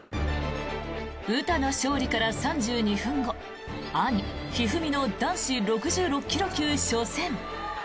詩の勝利から３２分後兄・一二三の男子６６ｋｇ級初戦。